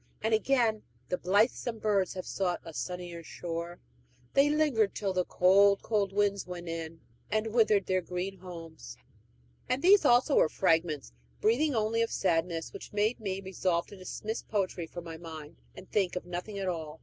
And again: "The blithesome birds have sought a sunnier shore; They lingered till the cold cold winds went in And withered their green homes." And these also were fragments, breathing only of sadness, which made me resolve to dismiss poetry from my mind and think of nothing at all.